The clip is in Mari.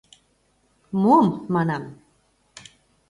— Мом, манам.